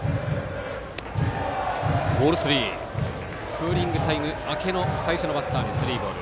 クーリングタイム明けの最初のバッターにスリーボール。